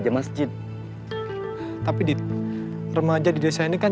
aku tidak pernah memilikinya